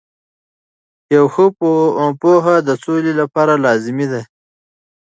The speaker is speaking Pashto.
یوه ښه پوهه د سولې لپاره لازمي ده.